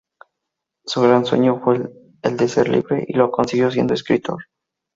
Su gran sueño fue el de ser libre y lo consiguió siendo escritor.